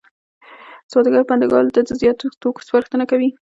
سوداګر پانګوالو ته د زیاتو توکو سپارښتنه کوي